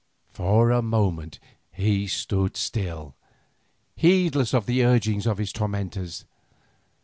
For a moment he stood still, heedless of the urgings of his tormentors.